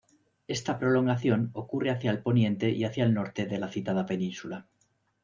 Esta prolongación ocurre hacia el poniente y hacia el norte de la citada península.